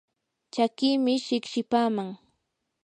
chakiimi shiqshipaaman